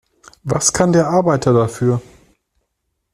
Was kann der Arbeiter dafür?